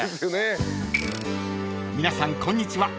［皆さんこんにちは